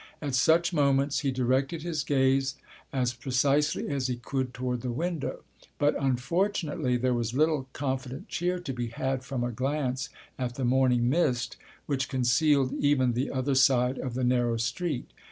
At such moments, he directed his gaze as precisely as he could toward the window, but unfortunately there was little confident cheer to be had from a glance at the morning mist, which concealed even the other side of the narrow street.